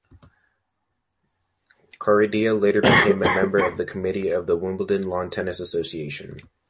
Caridia later became a member of the committee of the Wimbledon Lawn Tennis Association.